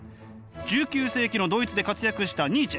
１９世紀のドイツで活躍したニーチェ。